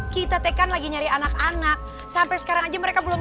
kita tekan lagi nyari anak anak sampai sekarang aja mereka belum